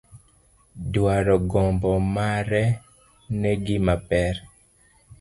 Dwaro gombo mare ne gima ber.